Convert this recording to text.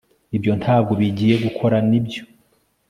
ibyo ntabwo bigiye gukora, nibyo